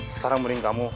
sekarang mending kamu